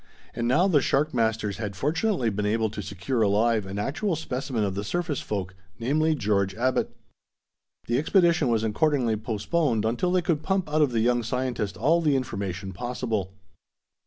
And now the shark masters had fortunately been able to secure alive an actual specimen of the surface folk namely, George Abbot. The expedition was accordingly postponed until they could pump out of the young scientist all the information possible.